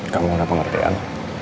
kamu ada pengertian